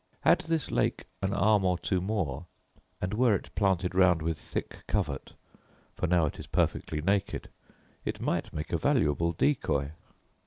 Had this lake an arm or two more, and were it planted round with thick covert (for now it is perfectly naked), it might make a valuable decoy.